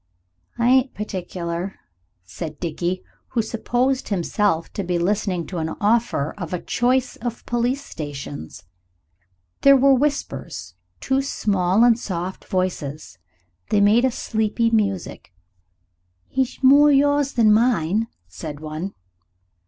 "I ain't particular," said Dickie, who supposed himself to be listening to an offer of a choice of police stations. There were whispers two small and soft voices. They made a sleepy music. "He's more yours than mine," said one.